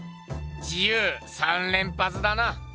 「自由」三連発だな。